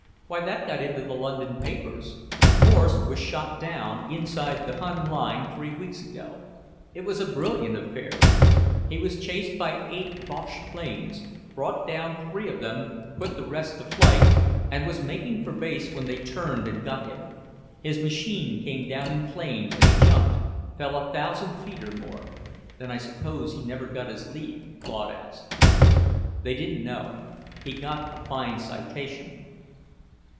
Why, that got into the London papers. Morse was shot down inside the Hun line three weeks ago. It was a brilliant affair. He was chased by eight Boche planes, brought down three of them, put the rest to flight, and was making for base, when they turned and got him. His machine came down in flames and he jumped, fell a thousand feet or more. "Then I suppose he never got his leave?" Claude asked. They didn't know. He got a fine citation.